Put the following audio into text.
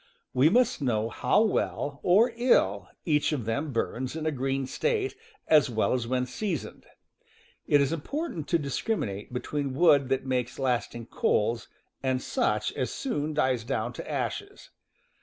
We must know how well, or ill, each of them burns in a green state, as well as when seasoned. It is important to discriminate between wood that makes lasting coals and such as soon dies down to ashes.